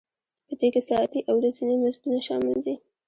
په دې کې ساعتي او ورځني مزدونه شامل دي